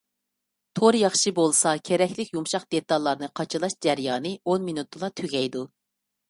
تور ياخشى بولسا كېرەكلىك يۇمشاق دېتاللارنى قاچىلاش جەريانى ئون مىنۇتتىلا تۈگەيدۇ.